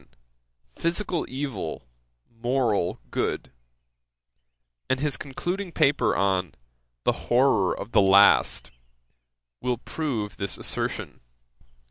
89, 'Physical evil moral goode;' and his concluding paper on 'The horrour of the last;' will prove this assertion.